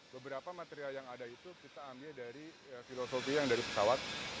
beberapa material yang ada itu kita ambil dari filosofi yang dari pesawat